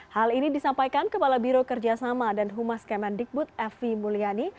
hal ini disampaikan kepala biro kerjasama dan humas kemen dikbud f v mulyani